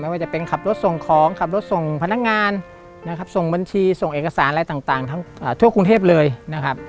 ว่าจะเป็นขับรถส่งของขับรถส่งพนักงานนะครับส่งบัญชีส่งเอกสารอะไรต่างทั้งทั่วกรุงเทพเลยนะครับ